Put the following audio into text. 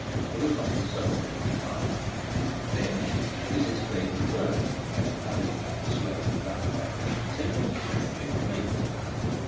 There was not a soul in the car. Then Mrs Clayton Vernon came hurrying up the slope of Duck Bank and signalled to Chadwick to wait for her.